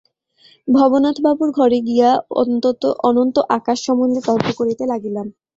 ভবনাথবাবুর ঘরে গিয়া অনন্ত আকাশ সম্বন্ধে তর্ক করিতে লাগিলাম।